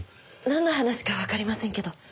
なんの話かわかりませんけど。